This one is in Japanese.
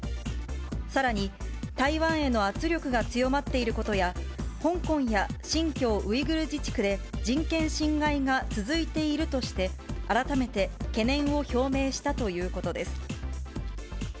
さらに台湾への圧力が強まっていることや、香港や新疆ウイグル自治区で人権侵害が続いているとして、改めて懸念を表明したということです。